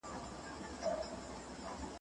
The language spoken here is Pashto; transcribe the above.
سوداګر باید خپل مالونه په عادلانه بیه وپلوري.